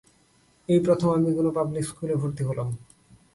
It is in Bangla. এই প্রথম আমি কোনো পাবলিক স্কুলে ভর্তি হলাম।